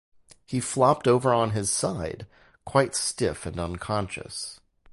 He flopped over on his side, quite stiff and unconscious.